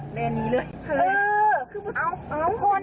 แบนนี้เลย